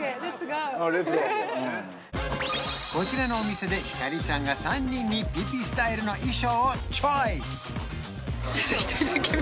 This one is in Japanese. ああレッツゴーこちらのお店で星ちゃんが３人にピピスタイルの衣装をチョイス